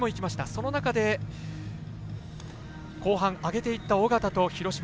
その中で、後半上げていった小方と廣島。